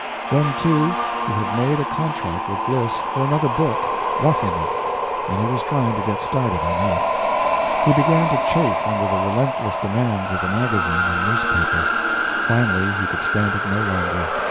Then, too, he had made a contract with Bliss for another book "Roughing It" and he was trying to get started on that. He began to chafe under the relentless demands of the magazine and newspaper. Finally he could stand it no longer.